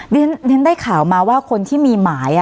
เรียนได้ข่าวมาว่าคนที่มีหมาย